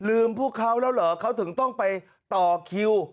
พวกเขาแล้วเหรอเขาถึงต้องไปต่อคิว